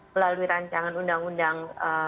melalui rancangan undang undang